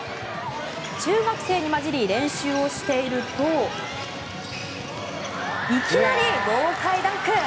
中学生に交じり練習をしているといきなり豪快ダンク。